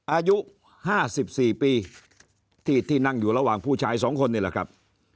อายุ๕๔ปีที่นั่งอยู่ระหว่างผู้ชาย๒คนนี่แหละครับ